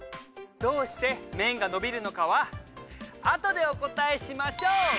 どうして麺がのびるのかはあとでお答えしまＳＨＯＷ！